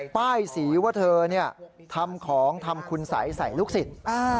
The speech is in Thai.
ป้ายสีว่าเธอทำของทำคุณสัยใส่ลูกศิษย์